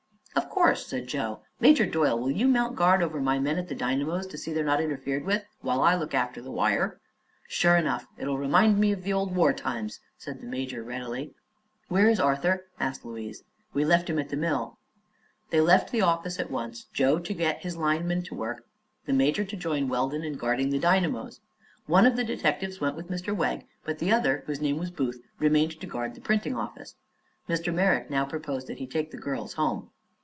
"Of course," said Joe. "Major Doyle, will you mount guard over my men at the dynamos, to see they're not interfered with, while I look after the wire?" "Sure enough; it'll remind me of the old war times," said the major readily. "Where is Arthur?" asked Louise. "We left him at the mill." They left the office at once, Joe to get his line men at work, and the major to join Weldon in guarding the dynamos. One of the detectives went with Mr. Wegg, but the other, whose name was Booth, remained to guard the printing office. Mr. Merrick now proposed that he take the girls home.